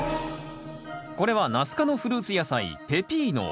これはナス科のフルーツ野菜